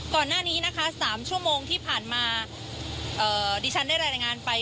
ก่อนหน้านี้นะคะ๓ชั่วโมงที่ผ่านมาดิฉันได้รายงานไป